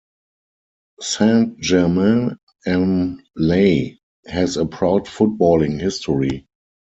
Saint-Germain-en-Laye has a proud footballing history.